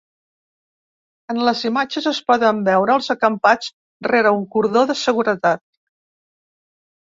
En les imatges es poden veure els acampats rere un cordó de seguretat.